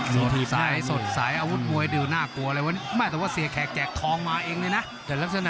สดใสอาวุธมวยด้วยน่ากลัวเลยวะไม่ได้แต่เสียแขกแจกทองมาเองเลยนะ